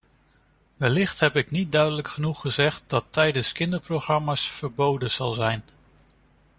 Wellicht heb ik niet duidelijk genoeg gezegd dat tijdens kinderprogramma’s verboden zal zijn.